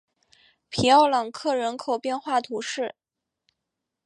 皮奥朗克人口变化图示